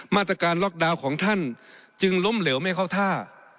มาตรการล็อกดาวน์ของท่านจึงล้มเหลวไม่เข้าท่า